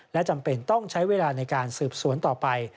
และจำเป็นต้องใช้เวลาในการสืบสวนต่อไป